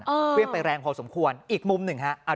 เครื่องไปแรงพอสมควรอีกมุมหนึ่งฮะ